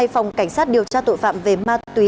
phòng cảnh sát điều tra tội phạm về ma túy